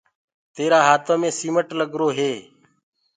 تيرآ هآتو مي سيمٽ لگرو هي۔